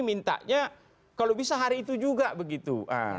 minta nya kalau bisa hari itu juga begitu